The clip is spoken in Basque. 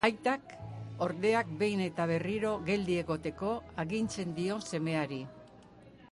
Aitak, ordea, behin eta berriro geldi egoteko agintzen dio semeari.